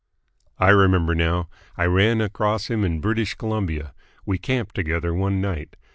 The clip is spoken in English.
"I remember now. I ran across him in British Columbia. We camped together one night.